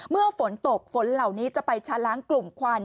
เมื่อฝนตกฝนเหล่านี้จะไปชะล้างกลุ่มควัน